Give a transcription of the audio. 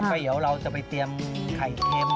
ก็เดี๋ยวเราจะไปเตรียมไข่เค็ม